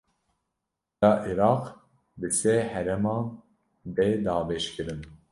Bila Iraq bi sê herêman bê dabeşkirin